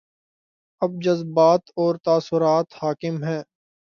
اب جذبات اور تاثرات حاکم ہیں۔